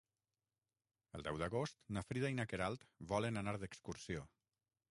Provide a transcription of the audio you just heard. El deu d'agost na Frida i na Queralt volen anar d'excursió.